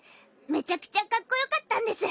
めちゃくちゃかっこよかったんです